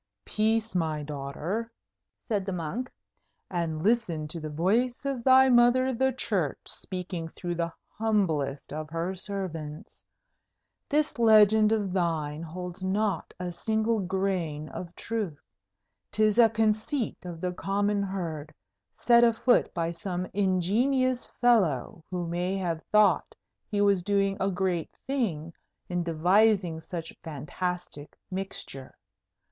"Peace, my daughter," said the monk; "and listen to the voice of thy mother the Church speaking through the humblest of her servants. This legend of thine holds not a single grain of truth. 'Tis a conceit of the common herd, set afoot by some ingenious fellow who may have thought he was doing a great thing in devising such fantastic mixture.